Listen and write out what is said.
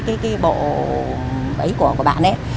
cái bẫy của bạn ấy